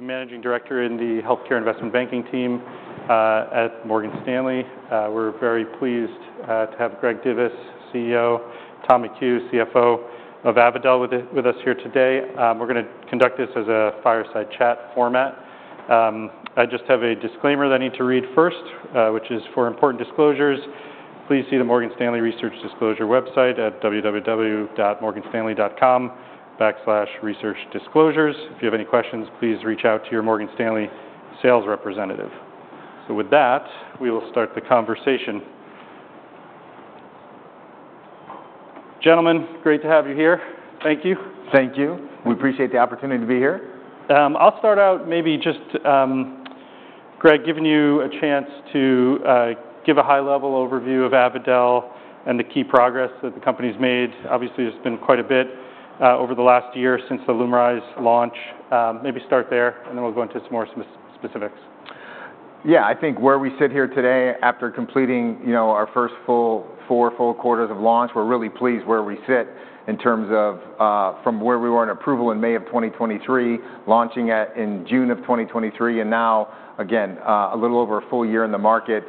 I'm Managing Director in the Healthcare Investment Banking team at Morgan Stanley. We're very pleased to have Greg Divis, CEO, Tom McHugh, CFO of Avadel with us here today. We're gonna conduct this as a fireside chat format. I just have a disclaimer that I need to read first, which is: For important disclosures, please see the Morgan Stanley Research Disclosure website at www.morganstanley.com/researchdisclosures. If you have any questions, please reach out to your Morgan Stanley sales representative. So with that, we will start the conversation. Gentlemen, great to have you here. Thank you. Thank you. We appreciate the opportunity to be here. I'll start out maybe just, Greg, giving you a chance to give a high-level overview of Avadel and the key progress that the company's made. Obviously, it's been quite a bit over the last year since the LUMRYZ launch. Maybe start there, and then we'll go into some more specifics. Yeah. I think where we sit here today after completing, you know, our first four full quarters of launch, we're really pleased where we sit in terms of, from where we were in approval in May of 2023, launching in June of 2023, and now, again, a little over a full year in the market,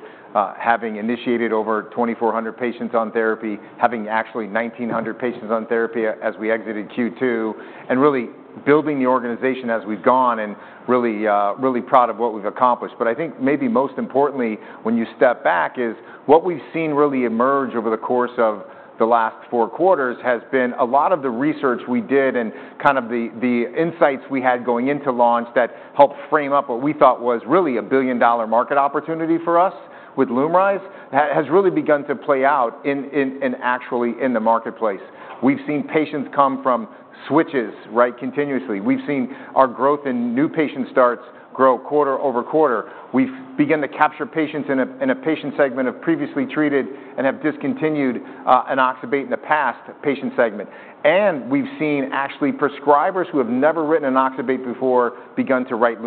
having initiated over 2,400 patients on therapy, having actually 1,900 patients on therapy as we exited Q2, and really building the organization as we've gone, and really proud of what we've accomplished. But I think maybe most importantly, when you step back, is what we've seen really emerge over the course of the last four quarters, has been a lot of the research we did and kind of the, the insights we had going into launch that helped frame up what we thought was really a billion-dollar market opportunity for us with LUMRYZ, has really begun to play out in, actually in the marketplace. We've seen patients come from switches, right, continuously. We've seen our growth in new patient starts grow quarter-over-quarter. We've begun to capture patients in a, in a patient segment of previously treated and have discontinued an oxybate in the past patient segment. And we've seen actually prescribers who have never written an oxybate before, begun to write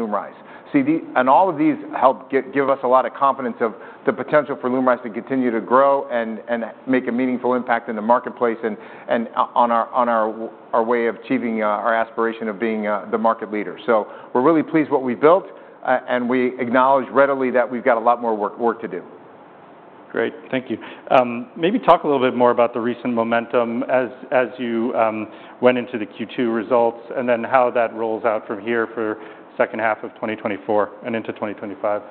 LUMRYZ. All of these help give us a lot of confidence in the potential for LUMRYZ to continue to grow and make a meaningful impact in the marketplace, and on our way of achieving our aspiration of being the market leader. So we're really pleased what we've built, and we acknowledge readily that we've got a lot more work to do. Great. Thank you. Maybe talk a little bit more about the recent momentum as you went into the Q2 results, and then how that rolls out from here for second half of 2024 and into 20 to 25.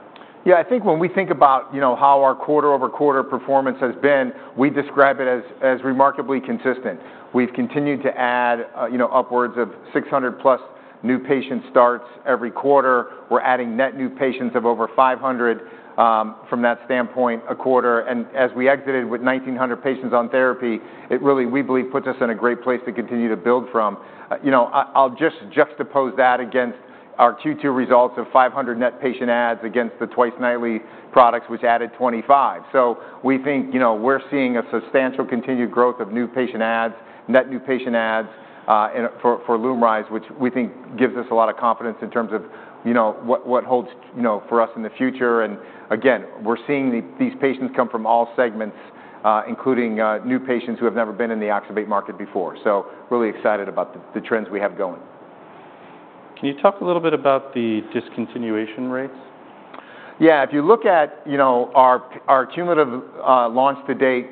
Yeah, I think when we think about, you know, how our quarter-over-quarter performance has been, we describe it as remarkably consistent. We've continued to add, you know, upwards of 600+ new patient starts every quarter. We're adding net new patients of over 500, from that standpoint, a quarter. And as we exited with 1,900 patients on therapy, it really, we believe, puts us in a great place to continue to build from. You know, I'll just juxtapose that against our Q2 results of 500 net patient adds against the twice-nightly products, which added 20 to 25. So we think, you know, we're seeing a substantial continued growth of new patient adds, net new patient adds, in for, for LUMRYZ, which we think gives us a lot of confidence in terms of, you know, what holds, you know, for us in the future. And again, we're seeing these patients come from all segments, including new patients who have never been in the oxybate market before. So really excited about the trends we have going. Can you talk a little bit about the discontinuation rates? Yeah. If you look at, you know, our cumulative launch-to-date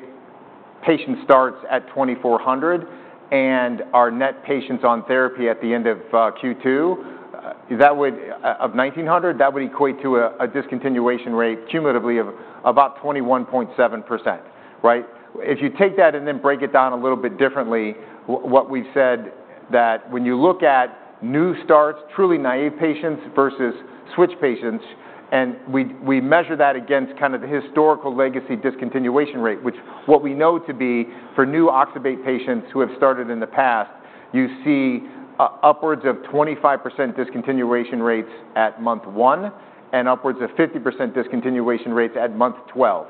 patient starts at 2,400, and our net patients on therapy at the end of Q2 that would of 1,900, that would equate to a discontinuation rate cumulatively of about 21.7%, right? If you take that and then break it down a little bit differently, what we've said, that when you look at new starts, truly naive patients versus switch patients, and we measure that against kind of the historical legacy discontinuation rate, which what we know to be for new oxybate patients who have started in the past, you see upwards of 25% discontinuation rates at month one, and upwards of 50% discontinuation rates at month twelve.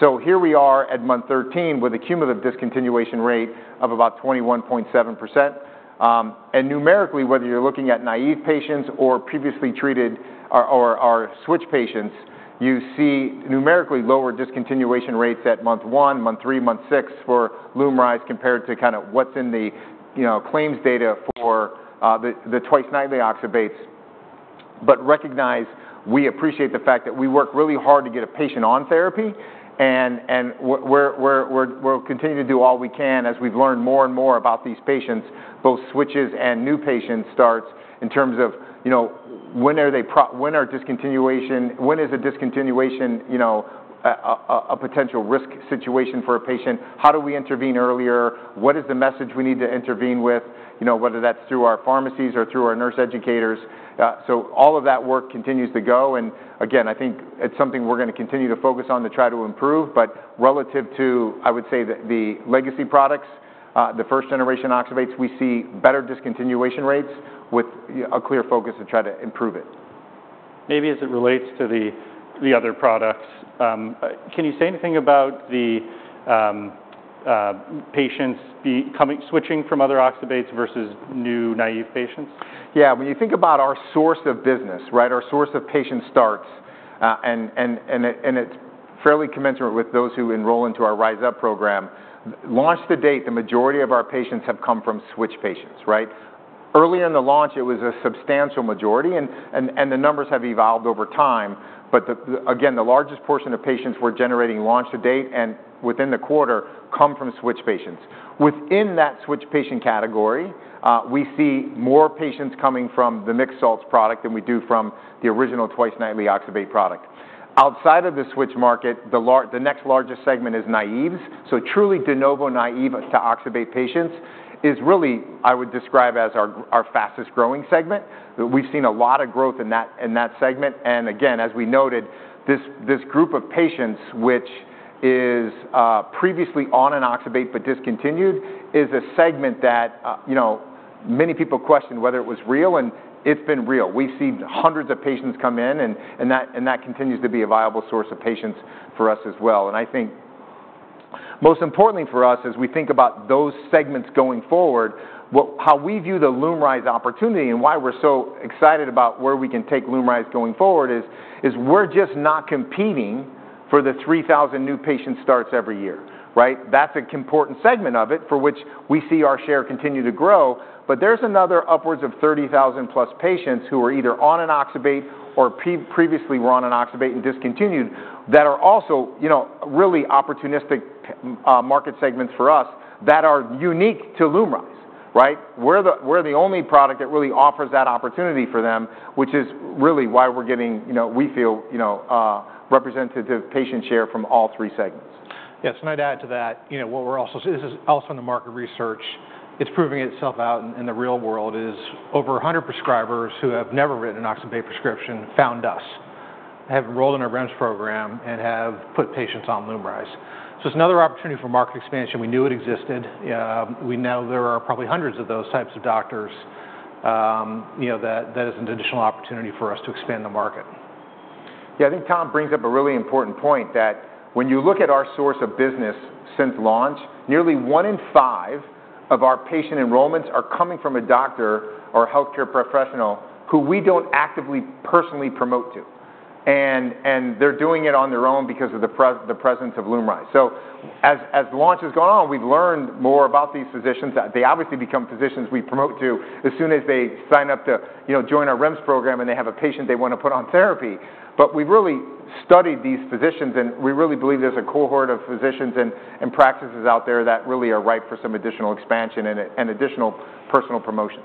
So here we are at month 13 with a cumulative discontinuation rate of about 21.7%. And numerically, whether you're looking at naive patients or previously treated or our switch patients, you see numerically lower discontinuation rates at month one, month three, month six for LUMRYZ compared to kind of what's in the, you know, claims data for the twice-nightly oxybates. But recognize we appreciate the fact that we work really hard to get a patient on therapy, and we're continuing to do all we can as we've learned more and more about these patients, both switches and new patient starts, in terms of, you know, when is a discontinuation a potential risk situation for a patient? How do we intervene earlier? What is the message we need to intervene with? You know, whether that's through our pharmacies or through our nurse educators. So all of that work continues to go, and again, I think it's something we're gonna continue to focus on to try to improve. But relative to, I would say, the legacy products, the first-generation oxybates, we see better discontinuation rates with a clear focus to try to improve it. Maybe as it relates to the other products, can you say anything about the patients switching from other oxybates versus new, naive patients? Yeah. When you think about our source of business, right, our source of patient starts. And it's fairly commensurate with those who enroll into our RizeUp program. Launch to date, the majority of our patients have come from switch patients, right? Early in the launch, it was a substantial majority, and the numbers have evolved over time. But the, again, the largest portion of patients we're generating launch to date and within the quarter, come from switch patients. Within that switch patient category, we see more patients coming from the mixed salts product than we do from the original twice-nightly oxybate product. Outside of the switch market, the next largest segment is naives. So truly de novo naive to oxybate patients is really, I would describe, as our fastest-growing segment. We've seen a lot of growth in that segment. And again, as we noted, this group of patients, which is previously on an oxybate but discontinued, is a segment that you know many people questioned whether it was real, and it's been real. We've seen hundreds of patients come in, and that continues to be a viable source of patients for us as well. And I think most importantly for us, as we think about those segments going forward, how we view the LUMRYZ opportunity and why we're so excited about where we can take LUMRYZ going forward is we're just not competing for the 3,000 new patient starts every year, right? That's an important segment of it, for which we see our share continue to grow. But there's another upwards of 30,000+ patients who are either on an oxybate or previously were on an oxybate and discontinued, that are also, you know, really opportunistic market segments for us that are unique to LUMRYZ, right? We're the, we're the only product that really offers that opportunity for them, which is really why we're getting, you know, we feel, you know, representative patient share from all three segments. Yes, and I'd add to that, you know, what we're also seeing. This is also in the market research, it's proving itself out in the real world, is over 100 prescribers who have never written an oxybate prescription found us, have enrolled in our REMS program and have put patients on LUMRYZ. So it's another opportunity for market expansion. We knew it existed. We know there are probably hundreds of those types of doctors, you know, that is an additional opportunity for us to expand the market. Yeah, I think Tom brings up a really important point, that when you look at our source of business since launch, nearly one in five of our patient enrollments are coming from a doctor or a healthcare professional who we don't actively, personally promote to. And they're doing it on their own because of the presence of LUMRYZ. So as the launch has gone on, we've learned more about these physicians. They obviously become physicians we promote to as soon as they sign up to, you know, join our REMS program and they have a patient they want to put on therapy. We've really studied these physicians, and we really believe there's a cohort of physicians and practices out there that really are ripe for some additional expansion and additional personal promotion.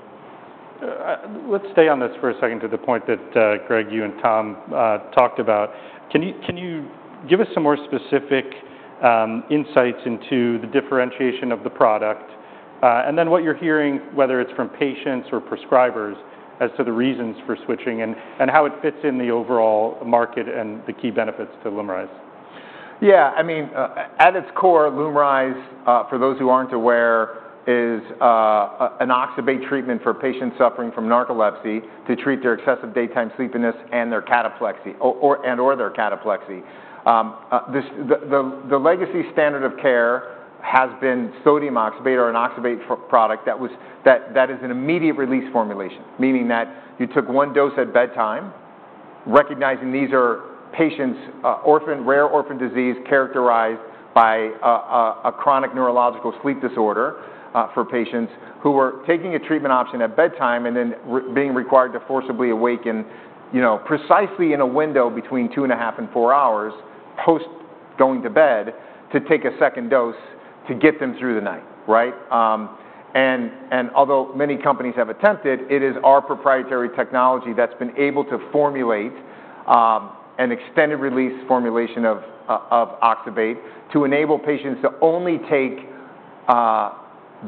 Let's stay on this for a second to the point that, Greg, you and Tom talked about. Can you, can you give us some more specific insights into the differentiation of the product, and then what you're hearing, whether it's from patients or prescribers, as to the reasons for switching and how it fits in the overall market and the key benefits to LUMRYZ. Yeah, I mean, at its core, LUMRYZ, for those who aren't aware, is an oxybate treatment for patients suffering from narcolepsy to treat their excessive daytime sleepiness and their cataplexy, or, and/or their cataplexy. This, the legacy standard of care has been sodium oxybate or an oxybate product that is an immediate-release formulation, meaning that you took one dose at bedtime, recognizing these are patients, rare orphan disease, characterized by a chronic neurological sleep disorder, for patients who were taking a treatment option at bedtime and then being required to forcibly awaken, you know, precisely in a window between two and a half and four hours post going to bed to take a second dose to get them through the night, right? Although many companies have attempted, it is our proprietary technology that's been able to formulate an extended-release formulation of oxybate to enable patients to only take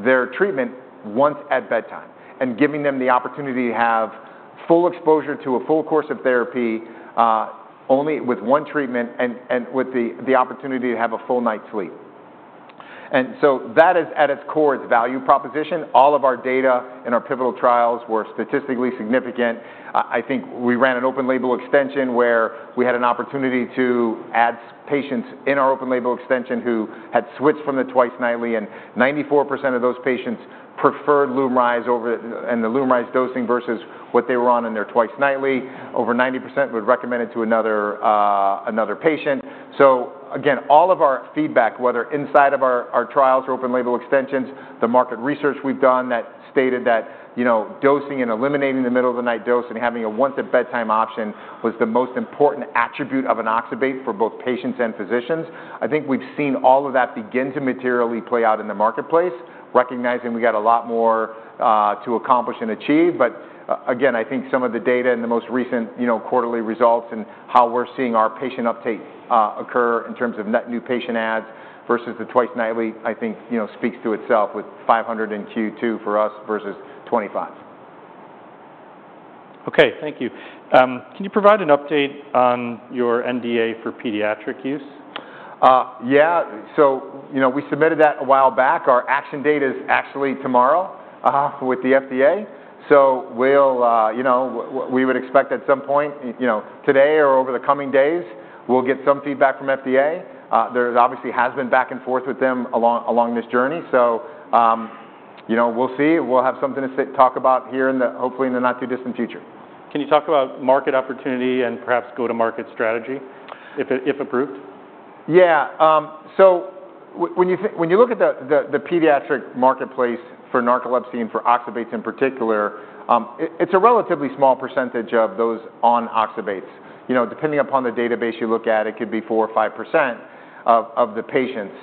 their treatment once at bedtime, and giving them the opportunity to have full exposure to a full course of therapy only with one treatment and with the opportunity to have a full night's sleep. So that is, at its core, the value proposition. All of our data and our pivotal trials were statistically significant. I think we ran an open-label extension where we had an opportunity to add patients in our open-label extension who had switched from the twice nightly, and 94% of those patients preferred LUMRYZ over and the LUMRYZ dosing versus what they were on in their twice nightly. Over 90% would recommend it to another patient. So again, all of our feedback, whether inside of our trials or open-label extensions, the market research we've done that stated that, you know, dosing and eliminating the middle-of-the-night dose and having a once-at-bedtime option was the most important attribute of an oxybate for both patients and physicians. I think we've seen all of that begin to materially play out in the marketplace, recognizing we got a lot more to accomplish and achieve. But again, I think some of the data in the most recent, you know, quarterly results and how we're seeing our patient uptake occur in terms of net new patient adds versus the twice nightly, I think, you know, speaks to itself with 500 in Q2 for us versus 2025. Okay, thank you. Can you provide an update on your NDA for pediatric use? Yeah. So, you know, we submitted that a while back. Our action date is actually tomorrow with the FDA. So we'll, you know, we would expect at some point, you know, today or over the coming days, we'll get some feedback from FDA. There obviously has been back and forth with them along this journey. So, you know, we'll see. We'll have something to talk about here in the, hopefully, in the not too distant future. Can you talk about market opportunity and perhaps go-to-market strategy, if approved? Yeah. So when you look at the pediatric marketplace for narcolepsy and for oxybates in particular, it's a relatively small percentage of those on oxybates. You know, depending upon the database you look at, it could be 4% or 5% of the patients.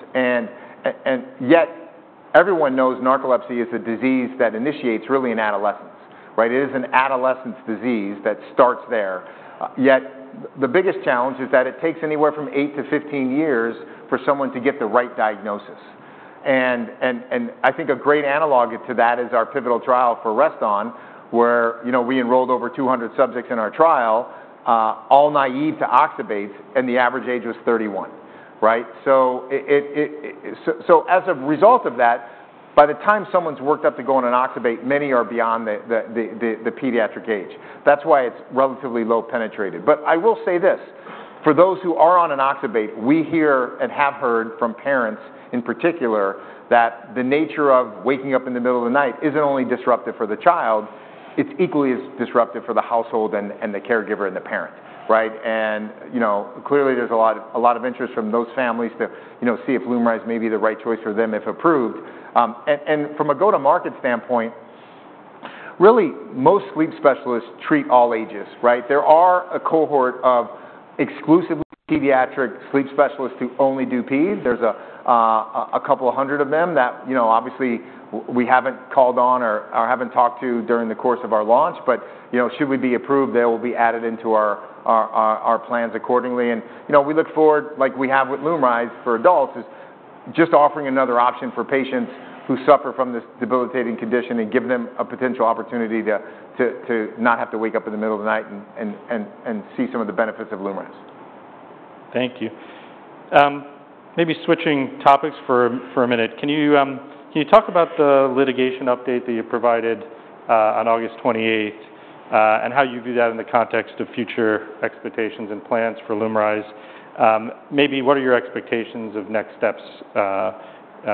And I think a great analog to that is our pivotal trial for REST-ON, where, you know, we enrolled over 200 subjects in our trial, all naive to oxybates, and the average age was 31, right? As a result of that, by the time someone's worked up to go on an oxybate, many are beyond the pediatric age. That's why it's relatively low penetrated. But I will say this: for those who are on an oxybate, we hear and have heard from parents in particular, that the nature of waking up in the middle of the night isn't only disruptive for the child, it's equally as disruptive for the household and the caregiver and the parent, right? And, you know, clearly, there's a lot of interest from those families to, you know, see if LUMRYZ may be the right choice for them, if approved. And from a go-to-market standpoint, really, most sleep specialists treat all ages, right? There are a cohort of exclusively pediatric sleep specialists who only do peds. There's a couple of hundred of them that, you know, obviously, we haven't called on or haven't talked to during the course of our launch. But, you know, should we be approved, they will be added into our plans accordingly. And, you know, we look forward, like we have with LUMRYZ for adults, is just offering another option for patients who suffer from this debilitating condition and give them a potential opportunity to not have to wake up in the middle of the night and see some of the benefits of LUMRYZ. Thank you. Maybe switching topics for a minute. Can you talk about the litigation update that you provided on August twenty-eight, and how you view that in the context of future expectations and plans for LUMRYZ? Maybe what are your expectations of next steps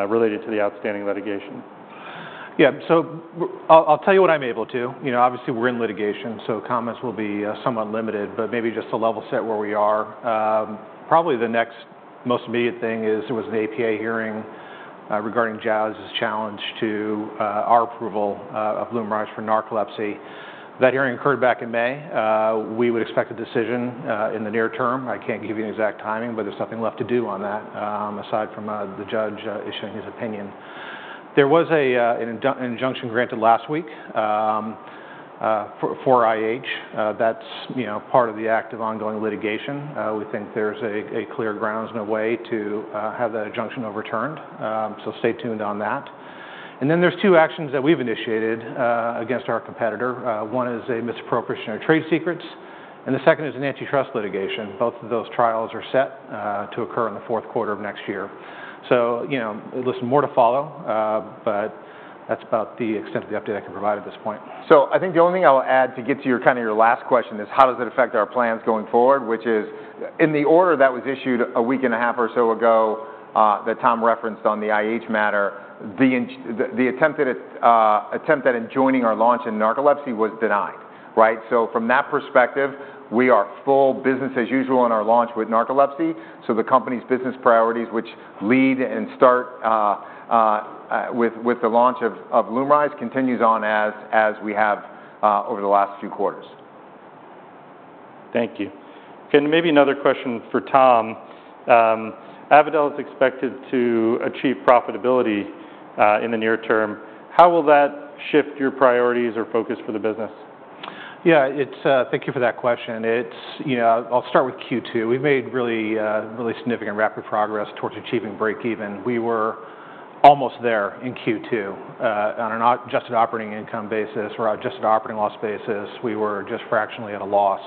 related to the outstanding litigation? Yeah. So I'll tell you what I'm able to. You know, obviously, we're in litigation, so comments will be somewhat limited, but maybe just to level set where we are. Probably the next most immediate thing is, there was an APA hearing regarding Jazz's challenge to our approval of LUMRYZ for narcolepsy. That hearing occurred back in May. We would expect a decision in the near term. I can't give you an exact timing, but there's nothing left to do on that aside from the judge issuing his opinion. There was an injunction granted last week for IH. That's, you know, part of the active ongoing litigation. We think there's a clear grounds and a way to have that injunction overturned. So stay tuned on that. And then, there's two actions that we've initiated, against our competitor. One is a misappropriation of trade secrets, and the second is an antitrust litigation. Both of those trials are set, to occur in the fourth quarter of next year. So, you know, there's more to follow, but that's about the extent of the update I can provide at this point. So I think the only thing I'll add to get to your kind of your last question is: How does it affect our plans going forward? Which is, in the order that was issued a week and a half or so ago, that Tom referenced on the IH matter, the attempted attempt at enjoining our launch in narcolepsy was denied, right? So from that perspective, we are full business as usual on our launch with narcolepsy. So the company's business priorities, which lead and start with the launch of LUMRYZ, continues on as we have over the last few quarters. Thank you. Okay, and maybe another question for Tom. Avadel is expected to achieve profitability in the near term. How will that shift your priorities or focus for the business? Yeah, it's. Thank you for that question. It's, you know, I'll start with Q2. We've made really, really significant rapid progress towards achieving break even. We were almost there in Q2, on an adjusted operating income basis or adjusted operating loss basis, we were just fractionally at a loss.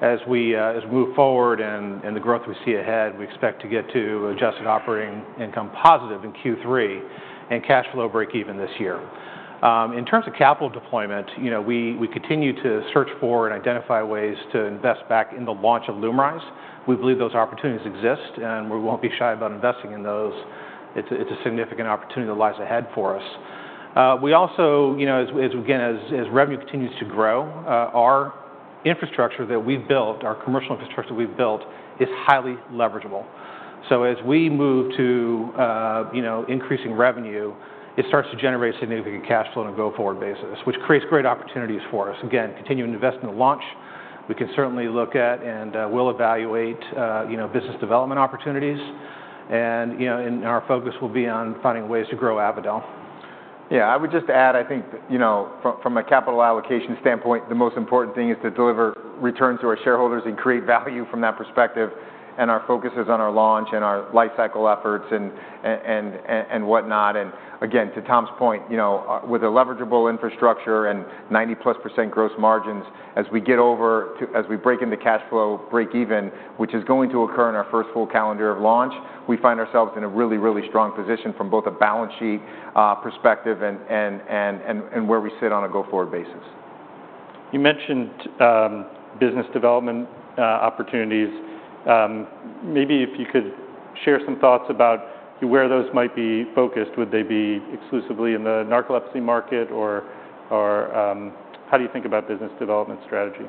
As we, as move forward and the growth we see ahead, we expect to get to adjusted operating income positive in Q3 and cash flow break even this year. In terms of capital deployment, you know, we continue to search for and identify ways to invest back in the launch of LUMRYZ. We believe those opportunities exist, and we won't be shy about investing in those. It's a significant opportunity that lies ahead for us. We also, you know, as revenue continues to grow, our infrastructure that we've built, our commercial infrastructure we've built, is highly leverageable. So as we move to, you know, increasing revenue, it starts to generate significant cash flow on a go-forward basis, which creates great opportunities for us. Again, continuing to invest in the launch, we can certainly look at and will evaluate, you know, business development opportunities. And, you know, our focus will be on finding ways to grow Avadel. Yeah, I would just add, I think, you know, from a capital allocation standpoint, the most important thing is to deliver returns to our shareholders and create value from that perspective. And our focus is on our launch and our lifecycle efforts and whatnot. And again, to Tom's point, you know, with a leverageable infrastructure and 90-plus% gross margins, as we break into cash flow break even, which is going to occur in our first full calendar of launch, we find ourselves in a really, really strong position from both a balance sheet perspective and where we sit on a go-forward basis. You mentioned, business development, opportunities. Maybe if you could share some thoughts about where those might be focused. Would they be exclusively in the narcolepsy market, or how do you think about business development strategy?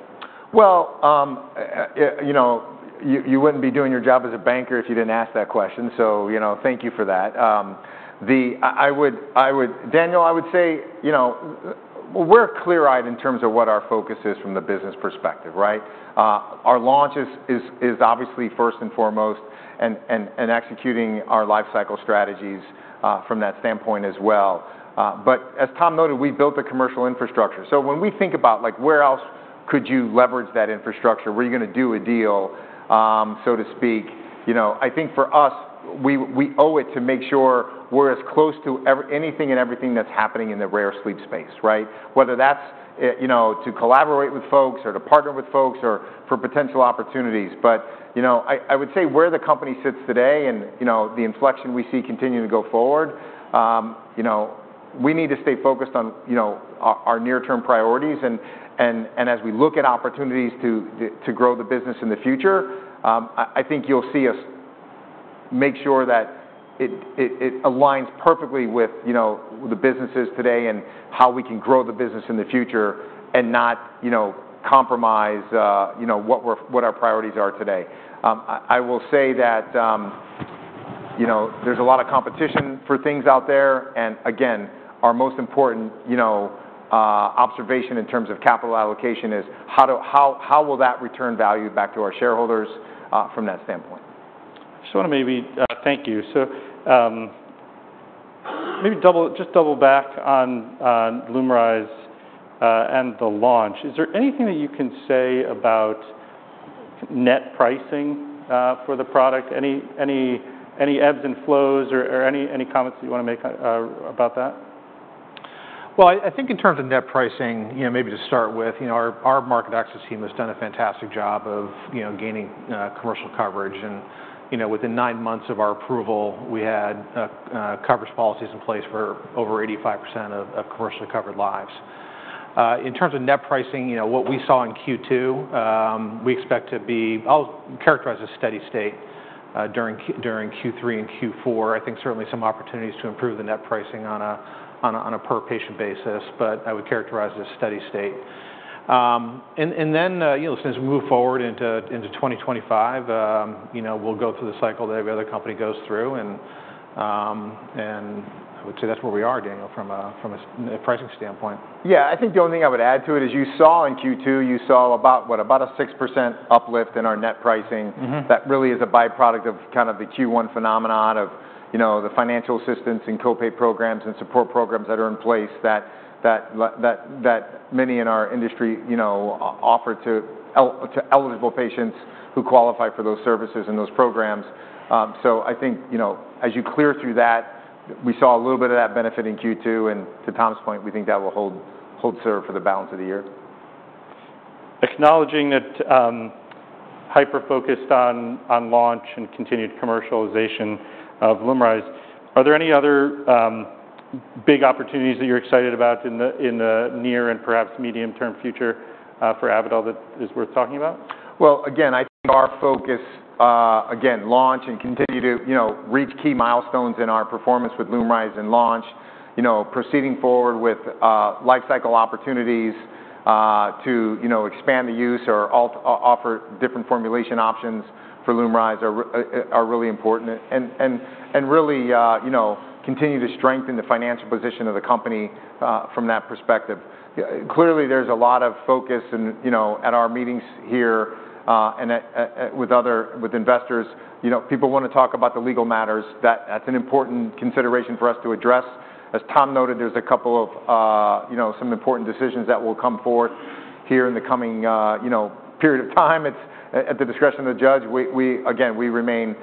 You know, you wouldn't be doing your job as a banker if you didn't ask that question, so, you know, thank you for that. Daniel, I would say, you know, we're clear-eyed in terms of what our focus is from the business perspective, right? Our launch is obviously first and foremost, and executing our life cycle strategies from that standpoint as well, but as Tom noted, we built the commercial infrastructure, so when we think about, like, where else could you leverage that infrastructure? Where are you gonna do a deal, so to speak? You know, I think for us, we owe it to make sure we're as close to everything that's happening in the rare sleep space, right? Whether that's, you know, to collaborate with folks or to partner with folks or for potential opportunities. But, you know, I would say where the company sits today and, you know, the inflection we see continuing to go forward, you know, we need to stay focused on, you know, our near-term priorities. And as we look at opportunities to grow the business in the future, I think you'll see us make sure that it aligns perfectly with, you know, the businesses today and how we can grow the business in the future and not, you know, compromise, you know, what our priorities are today. I will say that, you know, there's a lot of competition for things out there, and again, our most important, you know, observation in terms of capital allocation is how will that return value back to our shareholders, from that standpoint? Just want to maybe thank you. So, maybe just double back on LUMRYZ and the launch. Is there anything that you can say about net pricing for the product? Any ebbs and flows or any comments you want to make about that? I think in terms of net pricing, you know, maybe to start with, you know, our market access team has done a fantastic job of, you know, gaining commercial coverage. You know, within nine months of our approval, we had coverage policies in place for over 85% of commercially covered lives. In terms of net pricing, you know, what we saw in Q2, we expect I'll characterize as steady state during Q3 and Q4. I think certainly some opportunities to improve the net pricing on a per-patient basis, but I would characterize it as steady state. Then, you know, as we move forward into 2025, you know, we'll go through the cycle that every other company goes through, and I would say that's where we are, Daniel, from a pricing standpoint. Yeah. I think the only thing I would add to it is you saw in Q2, you saw about, what? About a 6% uplift in our net pricing that really is a by-product of kind of the Q1 phenomenon of, you know, the financial assistance and co-pay programs and support programs that are in place that many in our industry, you know, offer to eligible patients who qualify for those services and those programs. So I think, you know, as you clear through that, we saw a little bit of that benefit in Q2, and to Tom's point, we think that will hold serve for the balance of the year. Acknowledging that, hyper-focused on launch and continued commercialization of LUMRYZ, are there any other big opportunities that you're excited about in the near and perhaps medium-term future for Avadel that is worth talking about? Again, I think our focus, again, launch and continue to, you know, reach key milestones in our performance with LUMRYZ and launch. You know, proceeding forward with life cycle opportunities to, you know, expand the use or offer different formulation options for LUMRYZ are really important and really, you know, continue to strengthen the financial position of the company from that perspective. Clearly, there's a lot of focus and, you know, at our meetings here and with other investors, you know, people want to talk about the legal matters. That's an important consideration for us to address. As Tom noted, there's a couple of, you know, some important decisions that will come forth here in the coming, you know, period of time. It's at the discretion of the judge. Again, we remain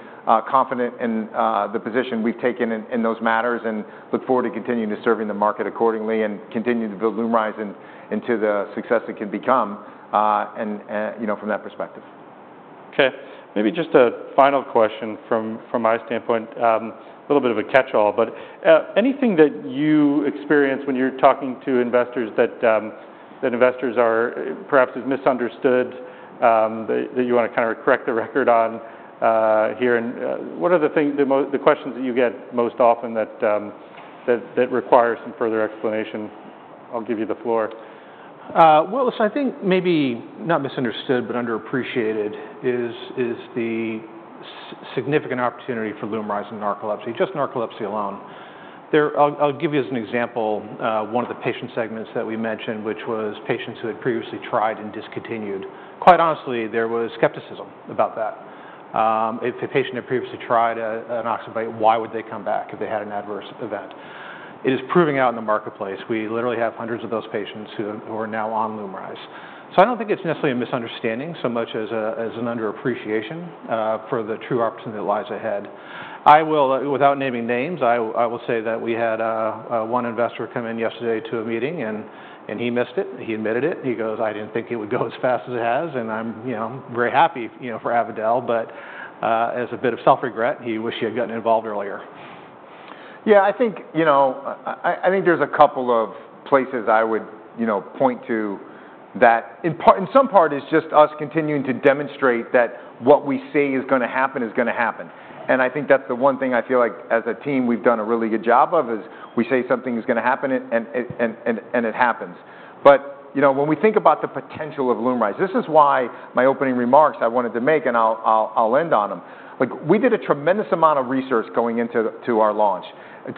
confident in the position we've taken in those matters and look forward to continuing to serving the market accordingly and continuing to build LUMRYZ into the success it can become, and you know, from that perspective. Okay. Maybe just a final question from my standpoint, a little bit of a catch-all, but anything that you experience when you're talking to investors that investors are perhaps have misunderstood, that you want to kind of correct the record on, here? And what are the things, the questions that you get most often that require some further explanation? I'll give you the floor. Well, so I think maybe not misunderstood, but underappreciated is the significant opportunity for LUMRYZ in narcolepsy, just narcolepsy alone. I'll give you as an example, one of the patient segments that we mentioned, which was patients who had previously tried and discontinued. Quite honestly, there was skepticism about that. If the patient had previously tried an oxybate, why would they come back if they had an adverse event? It is proving out in the marketplace. We literally have hundreds of those patients who are now on LUMRYZ. So I don't think it's necessarily a misunderstanding, so much as an underappreciation for the true opportunity that lies ahead. I will, without naming names, I will say that we had one investor come in yesterday to a meeting, and he missed it, and he admitted it. He goes, "I didn't think it would go as fast as it has, and I'm, you know, very happy, you know, for Avadel." But, as a bit of self-regret, he wished he had gotten involved earlier. Yeah, I think, you know, I think there's a couple of places I would, you know, point to that in part, in some part, it's just us continuing to demonstrate that what we say is gonna happen is gonna happen. And I think that's the one thing I feel like, as a team, we've done a really good job of, is we say something is gonna happen, and it happens. But, you know, when we think about the potential of LUMRYZ, this is why my opening remarks I wanted to make, and I'll end on them. Like, we did a tremendous amount of research going into our launch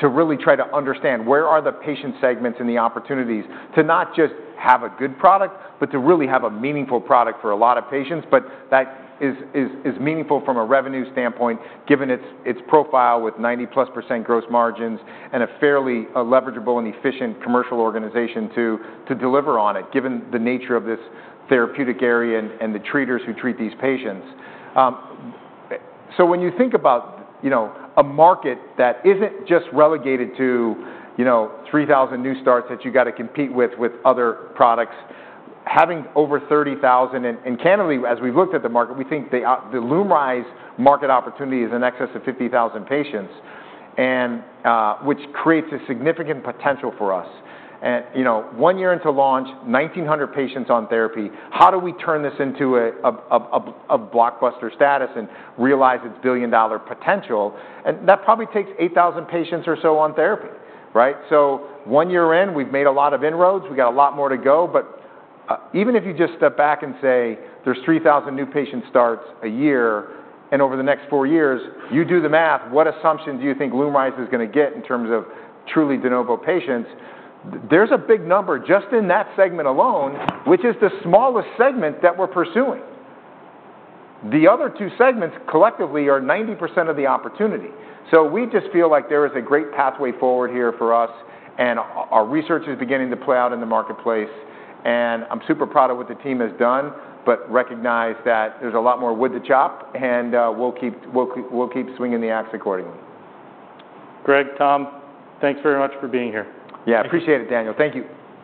to really try to understand where are the patient segments and the opportunities to not just have a good product, but to really have a meaningful product for a lot of patients. That is meaningful from a revenue standpoint, given its profile with 90+% gross margins and a fairly leverageable and efficient commercial organization to deliver on it, given the nature of this therapeutic area and the treaters who treat these patients. So when you think about, you know, a market that isn't just relegated to, you know, 3,000 new starts that you gotta compete with other products, having over 30,000. Candidly, as we've looked at the market, we think the LUMRYZ market opportunity is in excess of 50,000 patients, which creates a significant potential for us. You know, 1 year into launch, 1,900 patients on therapy, how do we turn this into a blockbuster status and realize its billion-dollar potential? And that probably takes eight thousand patients or so on therapy, right? So one year in, we've made a lot of inroads. We've got a lot more to go. But, even if you just step back and say, there's three thousand new patient starts a year, and over the next four years, you do the math, what assumptions do you think LUMRYZ is gonna get in terms of truly de novo patients? There's a big number just in that segment alone, which is the smallest segment that we're pursuing. The other two segments, collectively, are 90% of the opportunity. So we just feel like there is a great pathway forward here for us, and our research is beginning to play out in the marketplace, and I'm super proud of what the team has done, but recognize that there's a lot more wood to chop, and we'll keep swinging the axe accordingly. Greg, Tom, thanks very much for being here. Yeah, appreciate it, Daniel. Thank you.